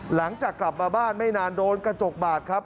หลังจากกลับมาบ้านไม่นานโดนกระจกบาดครับ